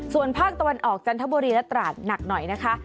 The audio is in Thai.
ส่วนภาคตะวันออกจันทบุรีและตราดหนักหน่อยนะคะ